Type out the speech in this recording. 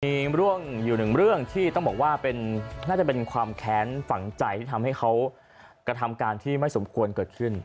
มีเรื่องอยู่หนึ่งเรื่องที่ต้องบอกว่าน่าจะเป็นความแค้นฝังใจที่ทำให้เขากระทำการที่ไม่สมควรเกิดขึ้น